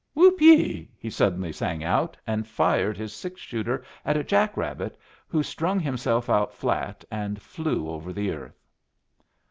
Whoop ye!" he suddenly sang out, and fired his six shooter at a jack rabbit, who strung himself out flat and flew over the earth.